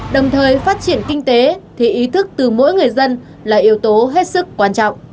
đồng thời phát triển kinh tế thì ý thức từ mỗi người dân là yếu tố hết sức quan trọng